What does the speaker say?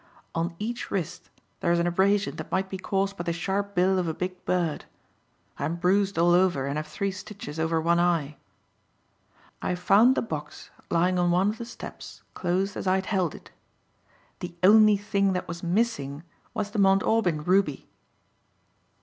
On each wrist there is an abrasion that might be caused by the sharp bill of a big bird. I'm bruised all over and have three stitches over one eye. "I found the box lying on one of the steps closed as I had held it. _The only thing that was missing was the Mt. Aubyn Ruby!